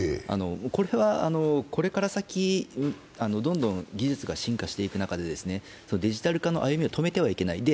これはこれから先、どんどん技術が進化していく中でデジタル化の歩みを止めてはいけない。